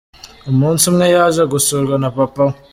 Umunsi umwe yaje gusurwa na papa we.